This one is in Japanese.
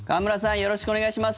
よろしくお願いします。